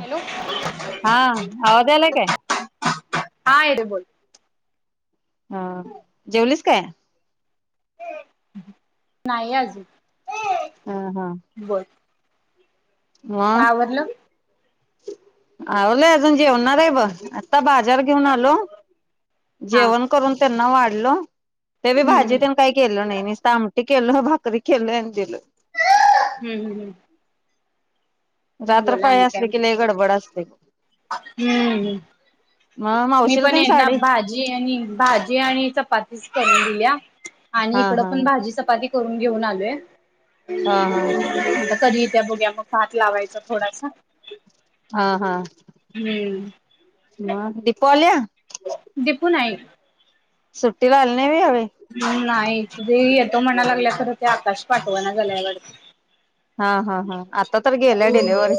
Hello आवाज यायलाय काय? हा येतोय बोल हा जेवलीस काय? [inaudible] नाही अजून हा.. हा.. का ‌आवरल? आवरल अजून जेवन रे ब आता बाजार घेऊन आलो हा जेवण करून त्यांना वाढुन हॅलो ते मी हम्म भाजी हम्म तन काही केलं नाही निस्त आमटी के केलं भाकरी केलंय अन गेलं. हम्म हम्म हम्म. रात्र बोला पाळी आणि काय असली कि लय गडबड असतय बग. हम्म हम्म मग मी मावशीला पण तेन ए ना साडी भाजी आणि भाजी आणि चपाती करून दिल्या. आणि हा इकडं हा पण भाजी चपाती करून घेऊन आलोय. हा हा आता कधी येतोया बघुया आपण. हात लावायचा थोडासा हा हा. हम्म मग दिपू आलीया? दिपू नाही. सुट्टीला आली नाही व्हयं या वेळी? [unintelligible] येतो म्हणाय लागलीया खरं ते आकाश पाठवणा झाल्याय वाटतं. हा हा हा आता तर गेल्या डिलेव्हरी,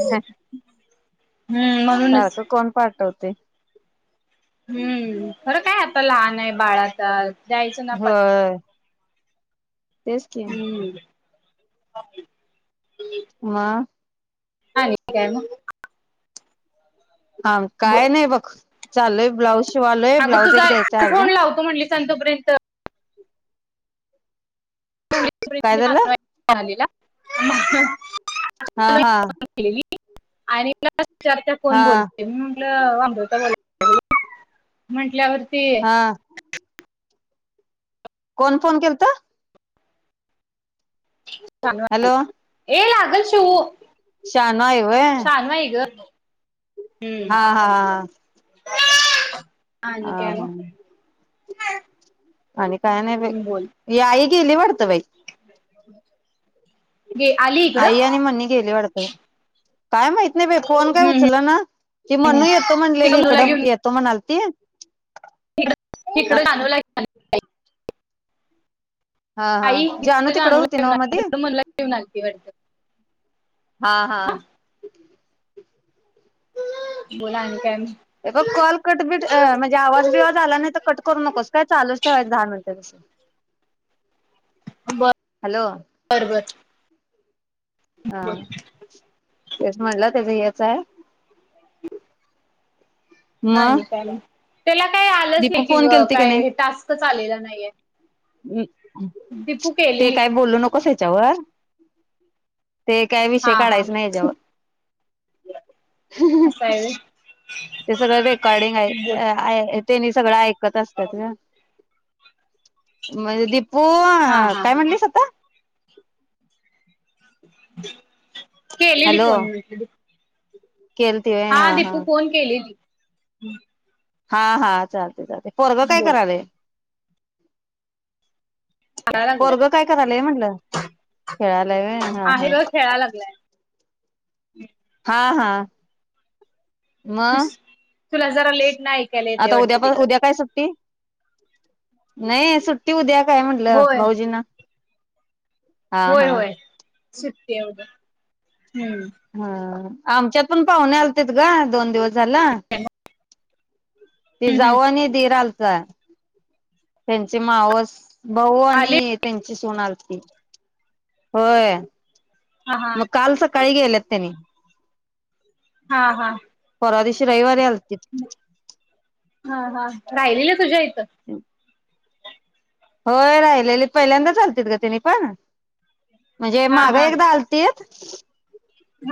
हम्म म्हणूनच सारखं कोण पाठतय. ते हम्म खरं काय, आता लहान आहे बाळ आता दायचं ना पाठवून. होय तेच कि [unintelligible] वा आहेत काय मगं. हा काय नाही बघ. चालय ब्लाऊज शि अगं तुझा तू फोन लावतो म्हणलीस. सांग तो पर्यंत. काय झालं [unintelligible] [inaudible] हा हा. [unintelligible] आणि न [unintelligible] हा कोण बोलतंय म्हणून. म्हटंल अमृता [unintelligible] म्हंटल्यावरती हा. कोण फोन केलंत? [unintelligible] तांदूळ वाटालोय ऐ लाग अंग चिऊ शानं आहं व्हंय. हम्म. आणि हा काय हा मग? आणि काय नाही बई. बोल ये आई केली वाटत बई [inaudible] आली इकडं आई आणि हम्म मनी गेली वाटतं काय माहित नाही बई. फोन काय हम्म उचलना, की मनू येतो म्हणलेली इकडं येतो म्हणाल ते [unintelligible] हिकडं हा आई जानू हिकडं तिकडं होती जानूला नव्ह मधी घेऊन [unintelligible] आलती हा हा वाटतं. बोला आणि काय मग? हे बघ कॉल कट बीट अ म्हणजे आवाज बिवाज आला नाही तर कट करू नकोस काय, चालूच ठेवायच दहा मिनटं तसं. बर, हॅलो बर, बर. हा तेच म्हणलं त्याचं हेच हाय मग पाणी प्यायली तेला काही आलंच दीपू नाही की फोन ग केलती का काय नाही टास्कच आलेला नाहीये. [unintelligible] दीपू ते केलेली काय बोलू नकोस हेच्यावर ते काय हा विषय हा काढायचं नाही हेच्यावर. असं आहे व्हय ते सगळं रेकॉर्डिंग आहे, बर. आहे त्यांनी सगळं ऐक कत असत्यात ग. म्हणजे दीपू हा अ हा काय हा म्हणलीस आता? लाल लाल कलरची केलेली हॅलो फोन मी दिप हा दीपू फोन केली होती [inaudible] हा, हा चाल पोरग काय बोल करायलय खेळायला [inaudible] लागलाय पोरग काय करालाय म्हनलं, खेळायलाय व्हय हा आहे हा. ग खेळायला [inaudible] हा, हा म तुला जरा लेट नाही आता उद्या प उद्या काय सुट्टी नाही सुट्टी उद्या काय म्हंटलं होय भाऊजींना हा होय, हा होय सुट्टी आहे उद्या हम्म हा आमच्यात पण पाहुणे आलत ग दोन दिवस झाल ते हम्म हम्म जाऊ आणि दिर आलत त्यांची मावस भाऊ आली आणि त्यां सुन आलती होय हा हा मग काल सकाळी गेलेत तेनी हा, हा रविवारी कि हा हा राहिलीय तुझ्या इ तर होय राहिलेली पहिल्यांदा चा आलती ग तने पण म्हणजे हा मागा हा एकदा आलतीत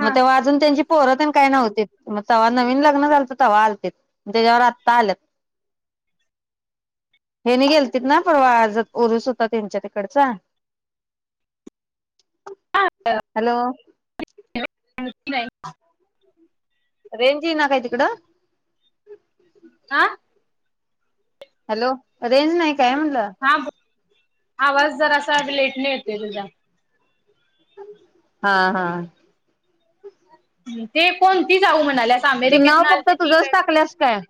हा तेव्हा अजून त्यांची पोरतेन काय नव्हती मग तेव्हा नवीन लग्न झालं तर तवा आलतीत त्याच्यावर आत्ता आल्यात. हेनी गेलत ना परवा उरुस होता त्यांच्या तिकडचा. हा हॅलो [unintelligible] रेंज ईना काय तिकडं? आं हॅलो रेंज नाही काय म्हणलं? हा आवाज जरासा ब् लेट न येतोय तुझा. हां-हां ते कोणती जाऊ म तू नाव फक्त तुझंच टाकल्यास काय‌?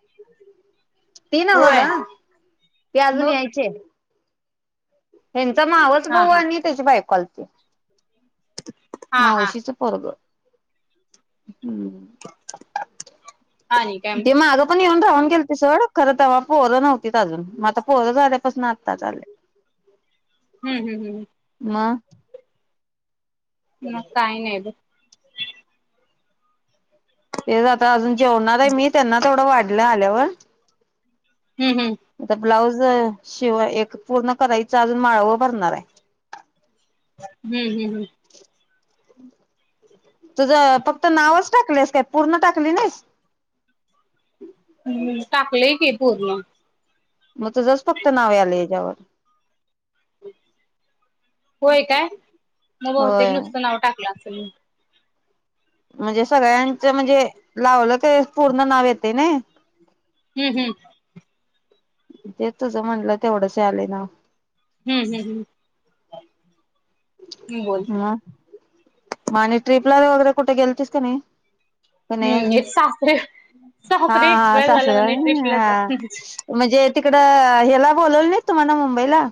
ती नव्ह होय गं. ती आजून मग यायची हाय. यांचा मावस हा भाऊ हा आणि त्याची बायको आल [inaudible] हा हा मावशीचं पोरगं. हम् आणि काय मग ते मागं पण येऊन राहून गेल ते सोड खरं तवा पोरं नव्हतीत अजून, म आता पोरं झाल्यापासून आताच आल्यात. हम्-हम्-हम् म मग काय नई बग. तेच आता अजून च् जेवणाराय मी त्यांना तेवढं वाढल् ल आल्यावर? हम्म हम्म आता ब्लाऊज ज शिवाय एक पूर्ण करायचं आजून माळवं भरणाराय. हम्म-हम्म-हम्म तुझं फक्त नावच टाकल्यास काय, पूर्ण टाकली नाहीस? हम्, टाकलंय की पूर्ण. म तुझच फक्त नाव यायलयं एज्यावर. होय काय? म बहुतेक होय नुसतं नाव टाकलं असं [inaudible] म्हणजे सगळ्यांचं म्हणजे लावलं क पूर्ण नाव येतयं नई हम्-हम् ते तुझं म्हणलं तेवढंच यालय नाव. हम्-हम् हां म आणि ट्रीपला वगैरे कुठं गेलतिस काय नाही? का नाही हम्म, अजून ईत सासरे हा सासरे हा एक्सपायर झाल्यात सासरा आणि ट्रिपला जा हा म्हणजे तिकडं हेला बोलवलं नाही तुम्हाला मुंबईला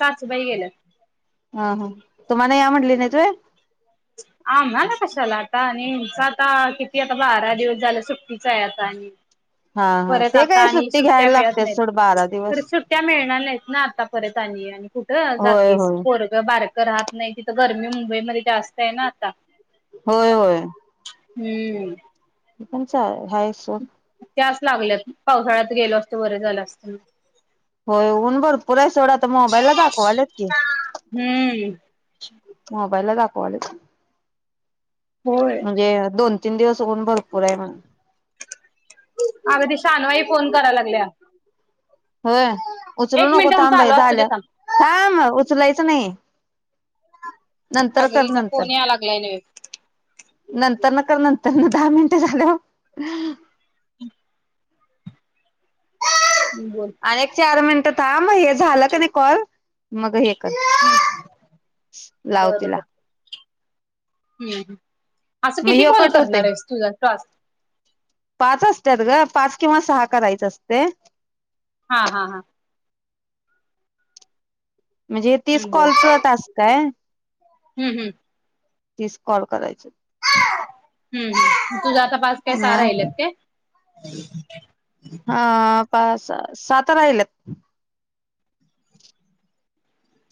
सासूबाई गेल्यात. हं हा. तुम्हाला या म्हटली नाहीत व्हयं? आम्हाला कशाला आता आणि सात आठ किती आता बारा दिवस झालं सुट्टीच आहे आता आणि हा हा परत ते आता काय आणि सुट्टी सुट्ट्या घ्यायला मिळत लागते नाहीत. सोड बारा तरी दिवस सुट्ट्या मिळणार नाहीत ना आता परत आणि आणि कुठं होय जातीस होय पोरगं बार क राहत नाही तिथं गरमी मुंबईमध्ये जास्त आहे ना आता. होय, होय. हम्म. हि पण चाळ आहे हायच सोड. त्यांच लागल्यात पावसाळ्यात गेलो असत बरं झालं असतं म्ह होय ऊन भरपुर आ सोड आता मोबाईला दाखवायल्यात की हम्म बला दाखवायल्यात होय म्हणजे दोन तिनं दिवस होतीत ऊन भरपूर आहे म्हणं. अगं ती शानूआई फोन कराय लागलीया होय उचलू नको थांब बाई असू दे झाल्यात थांब. थांब. उचलायचं नाही. नंतर अगं कर हीच्या फोन नंतर यायं लागलाय नव्हे नंतर न कर नंतर न दहा मिनटं झाल्यावर [inaudible] बोल. अनेक चार मिन थांब हे झालं कनई कॉल मग हे कर लाव बरं बर तिला. हम्म, हं. असं मग किती ह्यो कॉल कट होतय करणार आहेस तूझा टाॅस्क? पाच असत्यात गं पाच किंवा सहा करायचं असतंय हा, हा, हा. म्हणजे हे तीस हम्म बोल कॉलच टास्क हाय. हम्म, हम्म. तीस कॉल करायचे आहेत. हम्म, हम्म. तुझं आता पाच काय सहा राहिल्यात काय? [unintelligible] हा पाच-सहा, सातं राहिल्यात.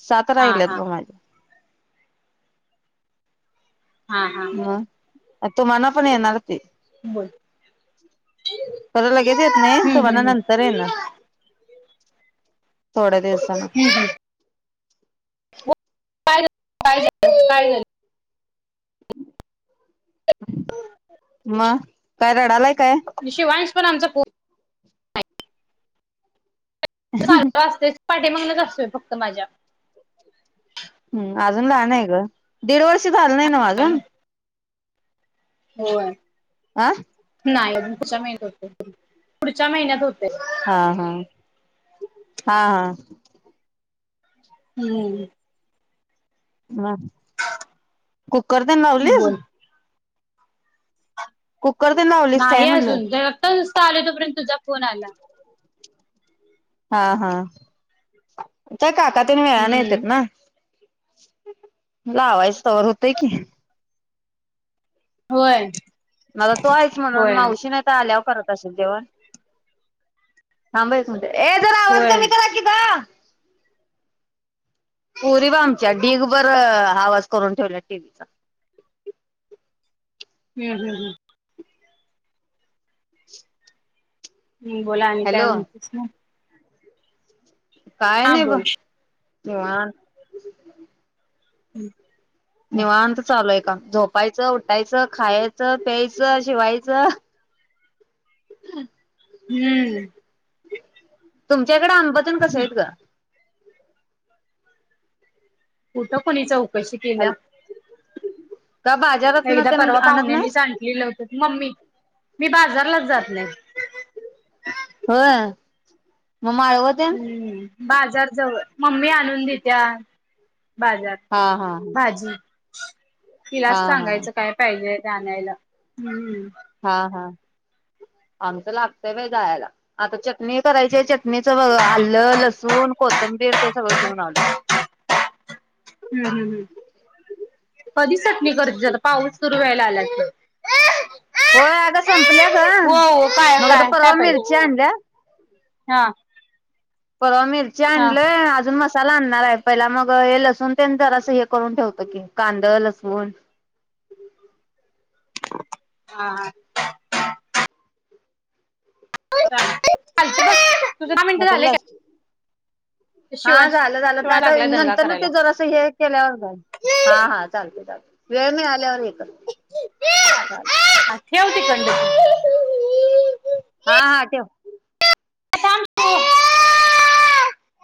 सात हा राहिलेत हा बगं माझी. हा हा हा म तुम्हानां पण येणार ती, बोल खरं लगेच येत नाहीत हम्म तुम्हाला हम्म नंतर हम्म येणार थोड्या दिवसाना. हम्म हम्म. बोल, [unintelligible] काय झा काय झाल काय झालं? मग काय रडालाय काय? झालं शिवांश पण आमचं पोर [unintelligible] पाटीमागनचं असतोय फक्त माझ्या. हम्म अजून लहान आहे ग दीड वर्ष झालं नाही न हो आजुन होय आह नाही अजून पुढच्या महिन्यात होतो, पुढच्या महिन्यात होते. हां हां हां हां. हम्म. म कुकर तेन लावलीस? बोल कुकर तेन लावलीस काय म्हणलं? चालू हाय तो पर्यंत जा फोन आला. हां हां. काय काका तेन मेळाने येतेत हम्म ना. लावायच तो वर होतय की. होय. मग तु आहेस म्हणून होय मावशी नाही तर आल्यावर करत. तसं जेवण, थांबं एक मिनटं ए होय. आ पोरी बघ आमच्या डीगभर आवाज करून ठेवल्यात टीव्हीचा. हम्म हम्म. हम्म बोला आणि काय हॅलो म्हणतेस म? काय नाही ब. बोल निवांत [unintelligible] निवांत चालू आहे त झोपायचं उठायचं खायचं प्यायचं शिवायचं. [inaudible] हम्म [unintelligible] तुमच्याकडं आंबतेन कसं आहेत ग कुठं कोणीच कशी केल्या हॅल का बाजारातन एकदा तेन परवा आणत पाहुण्यानीच नाहीस आणलेलं मम्मी मी बाजारलाच जात नाही होय म माळव तेन हम्म बाजार जवळ मम्मी आणून देतीया बाजार हा हा भाजी तिलाच हा हा सांगायच काय पायजे आणायला हम्म हा, हा आमच लागतय बाई जायायला आता मी करायचे चटणीचं बघ आलं लस सून कोथंबीर ते सगळं घेऊन आलो ह, ह, ह कधी चटणी करायचीस आता पाऊस सुरू व्हायला आलात की हो अग संपल्या ग हो हो काय मग आता काय काय परवा मिरची पाहिजे आणल्या हा परवा मिर ची हा आणलय अजून मसाला ला आणणार आहे पहिला मग हे लसून ते जर असं हे करून ठेवत की कांद, लसून हा, हा [unintelligible] कालच बग तुझी दहा मग मिनिट ते झाले लस काय हा शिवांश झालं झालं तर शिवांश आता लागलाय दंगा नंतर करायला ते जरासं हे केल्यावर जा हा, हा चालतय चालतय वेळ मिळाल्यावर हे कर चालेल हा ठेव तोकडण तू हा हा ठेव [unintelligible]